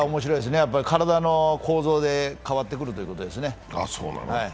体の構造で変わってくるということですね。